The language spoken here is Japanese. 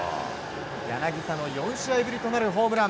柳田の４試合ぶりとなるホームラン。